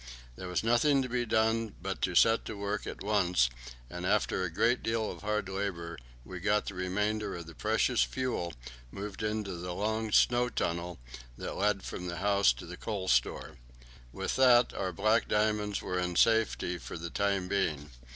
There was nothing to be done but to set to work at once, and after a great deal of hard labour we got the remainder of the precious fuel moved into the long snow tunnel that led from the house to the coal store. With that our "black diamonds" were in safety for the time being.